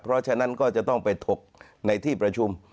เพราะฉะนั้นก็จะต้องไปถกในที่ประชุม